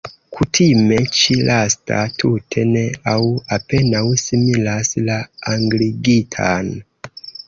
Kutime ĉi-lasta tute ne aŭ apenaŭ similas la angligitan.